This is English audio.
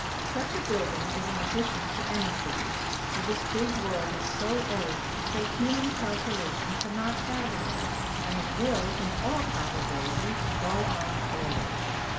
Such a building is an addition to any city; for this big World is so old that human calculation cannot fathom it; and it will, in all probability, go on always.